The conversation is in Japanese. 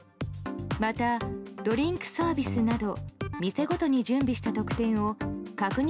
また、ドリンクサービスなど店ごとに準備した特典を確認